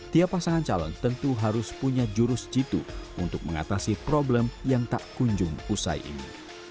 tiap pasangan calon tentu harus punya jurus jitu untuk mengatasi problem yang tak kunjung usai ini